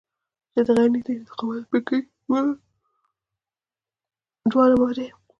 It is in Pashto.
چې د غني د انتخاباتي پېکج دواړې مهرې.